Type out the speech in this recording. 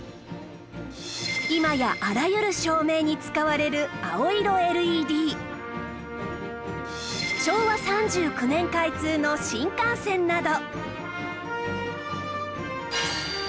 今やあらゆる照明に使われる昭和３９年開通の新幹線など